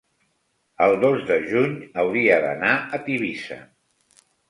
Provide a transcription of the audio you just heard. el dos de juny hauria d'anar a Tivissa.